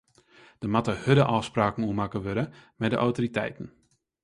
Dêr moatte hurde ôfspraken oer makke wurde mei de autoriteiten.